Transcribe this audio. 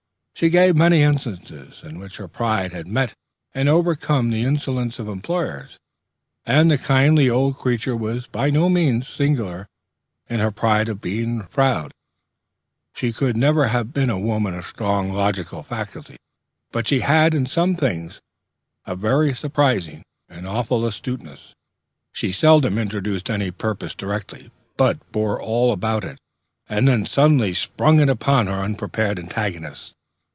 She gave many instances in which her pride had met and overcome the insolence of employers, and the kindly old creature was by no means singular in her pride of being reputed proud. She could never have been a woman of strong logical faculties, but she had in some things a very surprising and awful astuteness. She seldom introduced any purpose directly, but bore all about it, and then suddenly sprung it upon her unprepared antagonist.